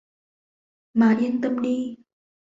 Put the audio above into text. mà yên tâm đi